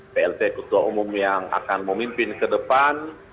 plt ketua umum yang akan memimpin ke depan